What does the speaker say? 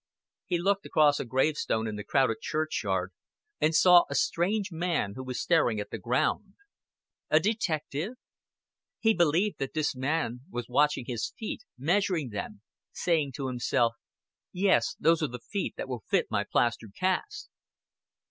He looked across a gravestone in the crowded churchyard and saw a strange man who was staring at the ground. A detective? He believed that this man was watching his feet, measuring them, saying to himself, "Yes, those are the feet that will fit my plaster cast."